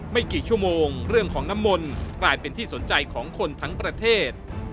ไม่กี่ชั่วโมงเรื่องของน้ำมนต์กลายเป็นที่สนใจของคนทั้งประเทศ